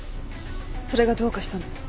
それがどうかしたの？